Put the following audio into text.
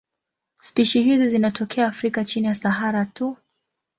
Spishi hizi zinatokea Afrika chini ya Sahara tu.